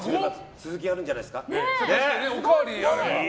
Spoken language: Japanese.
続きあるんじゃないですか？